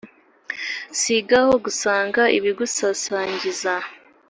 sigaho gusanga ibigusasangiza